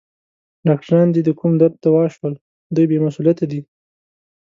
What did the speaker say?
ډاکټران دي د کوم درد دوا شول؟ دوی بې مسؤلیته دي.